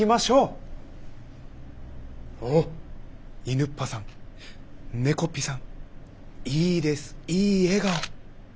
おっいぬっぱさんねこっぴさんいいですいい笑顔。